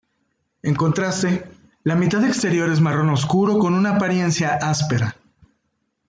En contraste, la mitad exterior es marrón oscuro con una apariencia áspera.